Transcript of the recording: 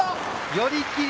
寄り切り！